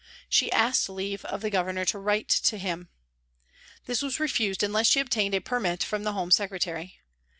She asked leave of the Governor to write to him. This was refused unless she obtained a permit from the Home Secre tary.